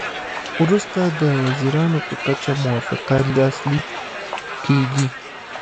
وروسته د وزیرانو په کچه موافقه لاسلیک کیږي